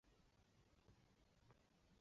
那神圣的存在